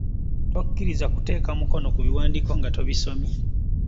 Tokkiriza kuteeka Mukono kubiwaandiika nga tobisomyemu.